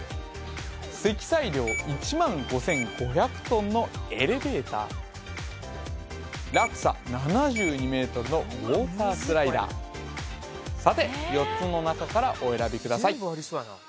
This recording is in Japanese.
積載量１５５００ｔのエレベーター落差７２ｍのウォータースライダーさて４つの中からお選びください